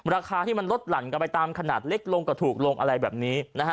ราคาที่มันลดหลั่นกันไปตามขนาดเล็กลงก็ถูกลงอะไรแบบนี้นะฮะ